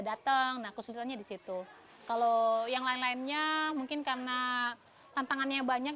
bingung nah kesulitannya di situ kalau yang lain lainnya mungkin karena tantangannya banyak